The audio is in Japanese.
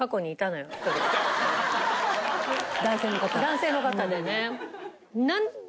男性の方でね。